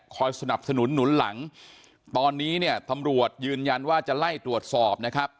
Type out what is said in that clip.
สนับสนุนหนุนหลังตอนนี้เนี่ยตำรวจยืนยันว่าจะไล่ตรวจสอบนะครับ